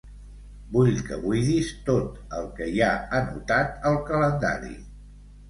Vull que buidis tot el que hi ha anotat al calendari.